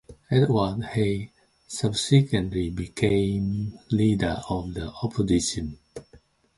Edward Hay subsequently became Leader of the Opposition.